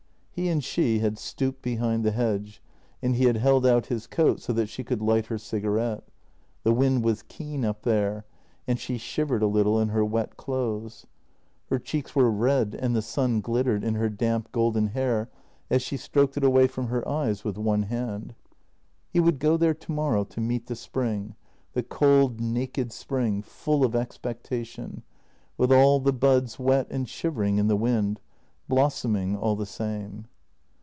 He and she had stooped behind the hedge, and he had held out his coat so that she could light her cigarette. The wind was keen up there, and she shivered a little in her wet clothes. Her cheeks were red and the sun glittered in her damp, golden hair as she stroked it away from her eyes with one hand. He would go there tomorrow to meet the spring, the cold, naked spring, full of expectation, with all the buds wet and shivering in the wind — blossoming all the same.